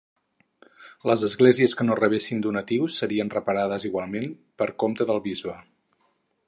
Les esglésies que no rebessin donatius serien reparades igualment per compte del bisbe.